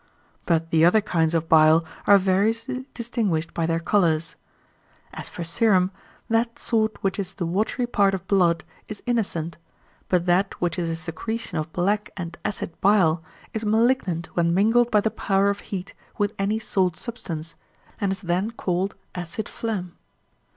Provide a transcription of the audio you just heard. But the other kinds of bile are variously distinguished by their colours. As for serum, that sort which is the watery part of blood is innocent, but that which is a secretion of black and acid bile is malignant when mingled by the power of heat with any salt substance, and is then called acid phlegm.